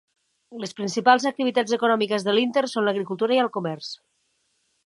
Les principals activitats econòmiques de Linter són l'agricultura i el comerç.